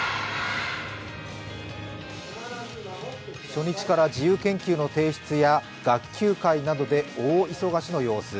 初日から自由研究の提出や学級会などで大忙しの様子。